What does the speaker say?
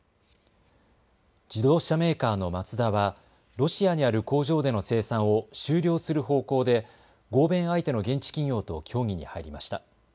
自動車メーカーのマツダはロシアにある工場での生産を終了する方向で合弁相手の現地企業と協議に入りました。